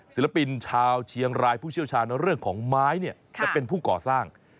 ศิลปินชาวเชียงรายผู้เชี่ยวชาญเรื่องของไม้เนี่ยจะเป็นผู้ก่อสร้าง